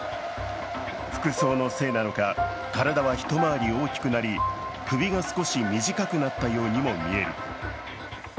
服装のせいなのか、体は一回り大きくなり首が少し短くなったようにも見える。